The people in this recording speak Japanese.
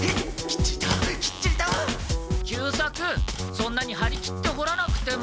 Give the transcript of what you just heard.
そんなにはり切って掘らなくても。